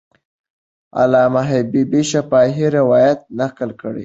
علامه حبیبي شفاهي روایت نقل کړی.